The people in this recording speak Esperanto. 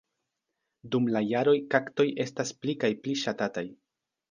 Dum la jaroj kaktoj estas pli kaj pli ŝatataj.